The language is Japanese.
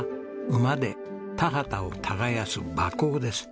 馬で田畑を耕す馬耕です。